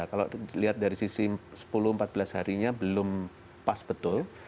kalau dilihat dari sisi sepuluh empat belas harinya belum pas betul